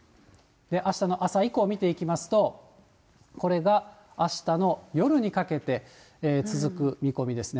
あしたの朝以降、見ていきますと、これがあしたの夜にかけて続く見込みですね。